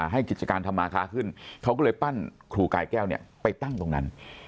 กิจการทำมาค้าขึ้นเขาก็เลยปั้นครูกายแก้วเนี่ยไปตั้งตรงนั้น